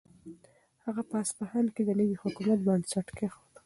هغه په اصفهان کې د نوي حکومت بنسټ کېښود.